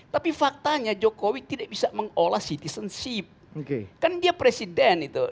tapi faktanya jokowi tidak bisa mengolah citizenship kan dia presiden itu